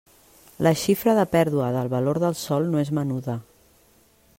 La xifra de pèrdua del valor del sòl no és menuda.